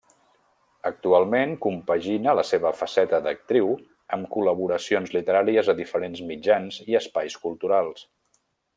Actualment compagina la seva faceta d'actriu amb col·laboracions literàries a diferents mitjans i espais culturals.